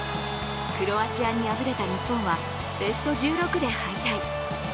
クロアチアに敗れた日本はベスト１６で敗退。